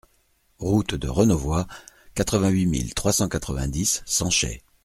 Route de Renauvoid, quatre-vingt-huit mille trois cent quatre-vingt-dix Sanchey